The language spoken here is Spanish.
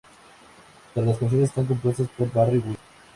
Todas las canciones están compuestas por Barry White.